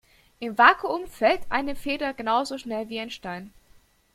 Im Vakuum fällt eine Feder genauso schnell wie ein Stein.